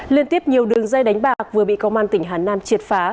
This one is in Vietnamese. liên tiếp nhiều đường dây đánh bạc vừa bị công an tỉnh hà nam triệt phá